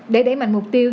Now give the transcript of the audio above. để đẩy mạnh mục tiêu